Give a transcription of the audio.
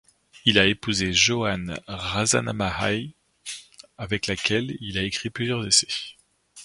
Il a épousé Johanne Razanamahay, avec laquelle il a écrit plusieurs essais.